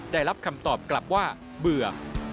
ได้รับคำตอบกลับว่าเบื่อ